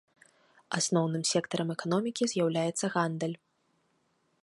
Асноўным сектарам эканомікі з'яўляецца гандаль.